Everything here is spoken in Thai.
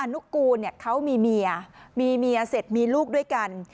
นุกูลเขามีเมียมีเมียเสร็จมีลูกด้วยกัน